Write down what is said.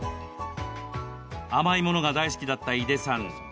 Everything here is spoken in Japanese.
甘いものが大好きだった井出さん。